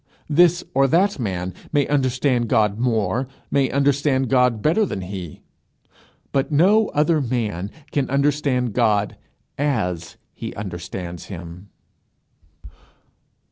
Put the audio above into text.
This or that man may understand God more, may understand God better than he, but no other man can understand God as he understands him.